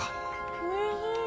おいしい！